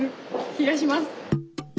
気がします。